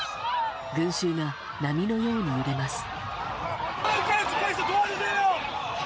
群衆が波のように揺れます。